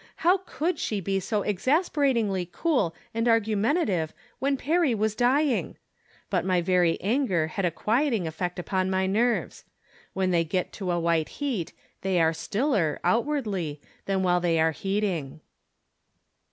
How could she be so exasperatingly cool and argumentative when Perry was dying ? But my very anger had a quieting effect upon my nerves. When they get to a white heat, they are stiller, outwardly, than while they are heating.